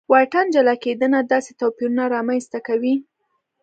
واټن جلا کېدنه داسې توپیرونه رامنځته کوي.